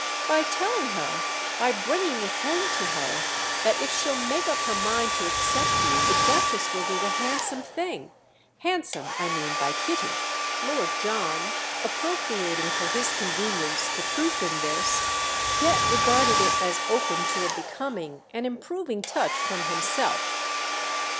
"By telling her, by bringing it home to her, that if she'll make up her mind to accept you the Duchess will do the handsome thing. Handsome, I mean, by Kitty." Lord John, appropriating for his convenience the truth in this, yet regarded it as open to a becoming, an improving touch from himself.